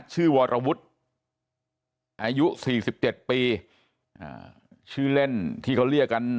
ชื่อวรวุฒิอายุ๔๗ปีชื่อเล่นที่เขาเรียกกัน